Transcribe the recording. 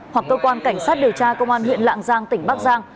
hoặc công an cảnh sát điều tra công an huyện lạng giang tỉnh bắc giang